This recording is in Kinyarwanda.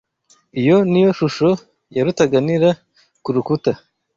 Iyo niyo shusho ya Rutaganira kurukuta?